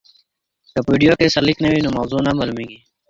که په ویډیو کي سرلیک نه وي نو موضوع نه معلومیږي.